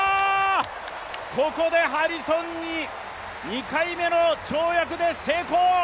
ここでハリソン、２回目の跳躍で成功！